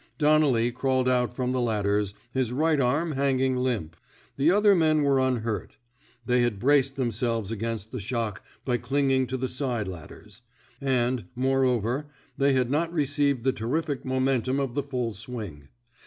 Donnelly crawled out from the ladders, his right arm hanging limp. The other men were unhurt. 8 THE ^^ RED INK SQUAD'* They had braced themselves against the shock by clinging to the side ladders; and, moreover, they had not received the terrific momentmn of the full swing.